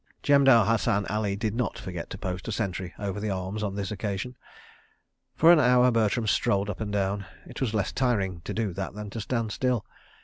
Jemadar Hassan Ali did not forget to post a sentry over the arms on this occasion. For an hour Bertram strolled up and down. It was less tiring to do that than to stand still.